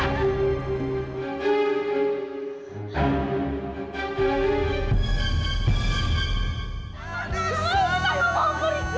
mama mama tidak mau mampu rindu